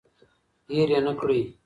هیر یې نکړئ.